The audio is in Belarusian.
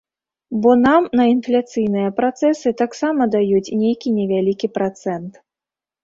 Бо нам на інфляцыйныя працэсы таксама даюць нейкі невялікі працэнт.